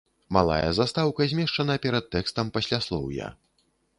Малая застаўка змешчана перад тэкстам пасляслоўя.